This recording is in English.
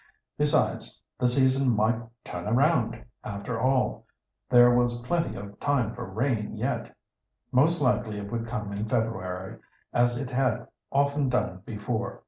Besides, the season might "turn round" after all—there was plenty of time for rain yet. Most likely it would come in February, as it had often done before.